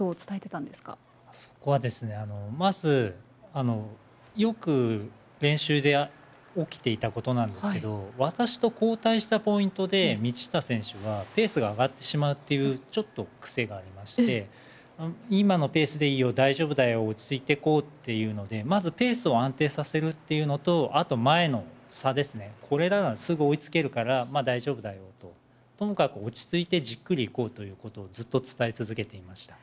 そこはまず、よく練習で起きていたことなんですけど、私と交代したポイントで、道下選手はペースが上がってしまうという、ちょっとくせがありまして、今のペースでいいよ、大丈夫だよ、落ち着いていこうっていうので、まずペースを安定させるっていうのと、あと前の差ですね、これならすぐ追いつけるから、まあ大丈夫よと、ともかく落ち着いてじっくりいこうということをずっと伝え続けていました。